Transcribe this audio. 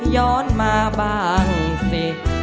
ย้อนมาบ้างสิ